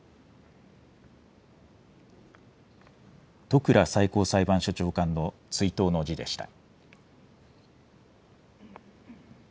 戸倉最高裁判所長官の追悼の辞でした。